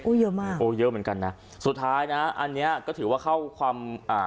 เยอะมากโอ้เยอะเหมือนกันนะสุดท้ายนะอันเนี้ยก็ถือว่าเข้าความอ่า